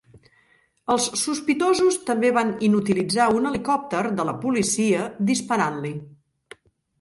Els sospitosos també van inutilitzar un helicòpter de la policia disparant-li.